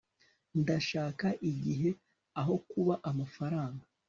ndashaka igihe aho kuba amafaranga